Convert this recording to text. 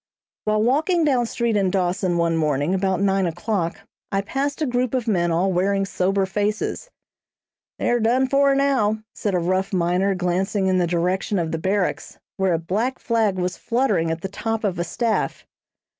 While walking down street in Dawson one morning about nine o'clock, I passed a group of men all wearing sober faces. "They're done for now," said a rough miner, glancing in the direction of the Barracks, where a black flag was fluttering at the top of a staff.